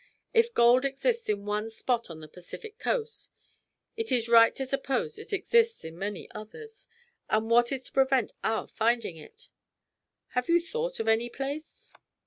"If gold exists in one spot on the Pacific coast, it is right to suppose it exists in many others, and what is to prevent our finding it?" "Have you thought of any place?"